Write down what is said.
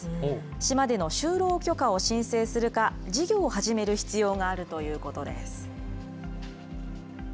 島での就労許可を申請するか、事業を始める必要があるということです。